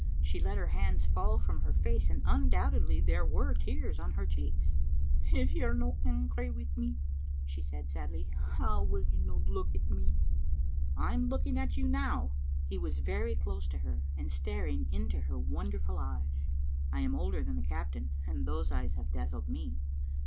She let her hands fall from her face, and undoubtedly there were tears on her cheeks. "If you're no angry wi' me," she said, sadly, "how will you no look at me?" " I am looking at you now." He was very close to her, and staring into her won derful eyes. I am older than the Captain, and those eyes have dazzled me.